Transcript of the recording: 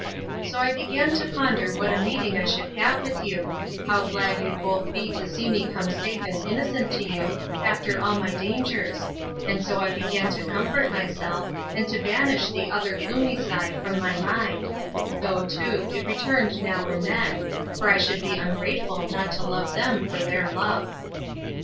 So I began to ponder what a meeting I should have with you; how glad you'd both be to see me come safe and innocent to you, after all my dangers: and so I began to comfort myself, and to banish the other gloomy side from my mind; though, too, it returned now and then; for I should be ungrateful not to love them for their love.